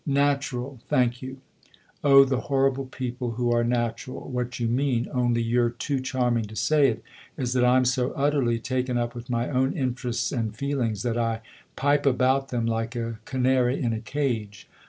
"' Natural ' thank you I Oh, the horrible people who are natural ! What you mean only you're too charming to say it is that I'm so utterly taken up with my own interests and feelings that I pipe about them like a canary in a cage.